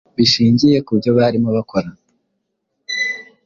bishingiye ku byo barimo bakora